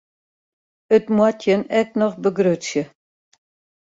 It moat jin ek noch begrutsje.